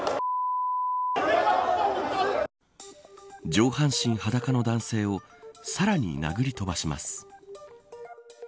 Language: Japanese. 上半身裸の男性をさらに殴り飛ばします。